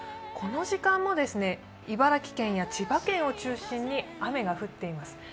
この時間も茨城県や千葉県などを中心に雨が降っています。